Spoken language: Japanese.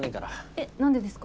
えっなんでですか？